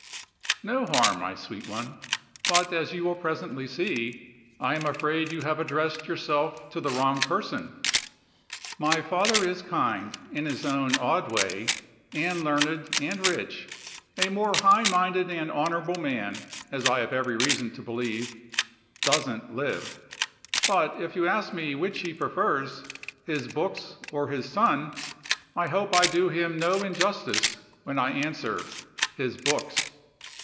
No harm, my sweet one; but, as you will presently see, I am afraid you have addressed yourself to the wrong person. My father is kind, in his own odd way and learned, and rich a more high minded and honorable man (as I have every reason to believe) doesn't live. But if you ask me which he prefers, his books or his son, I hope I do him no injustice when I answer, his books.